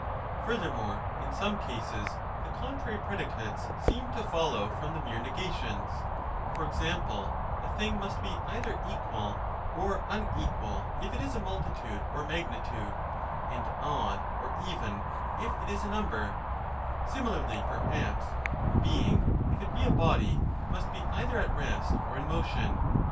Furthermore, in some cases the contrary predicates seem to follow from the mere 1 negations ; for example, a thing must be either 35 equal or unequal if it is a multitude or magnitude, and odd or even, if it is a number ; similarly, perhaps, Being, if it be a body, must be either at rest or in motion.